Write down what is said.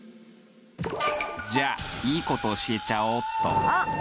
じゃあいいこと教えちゃおうっと。